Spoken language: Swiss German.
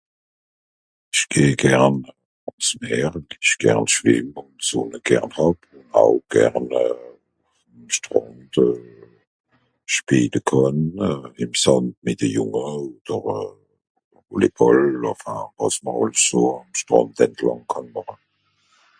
isch geh gern àns meer isch gern schwìmme d'sonne gern hàb aw gern euh strànde schpeele kànn ebs ... mìt de jùnge ùn nòch euh volleybàll enfin wàs mr àlso àm strànd ... kànn màche